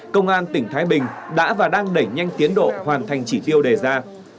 công an tỉnh thái bình đã và đang đẩy nhanh tiến độ hoàn thành chỉ tiêu đề ra